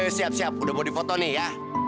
siap siap udah mau difoto nih ya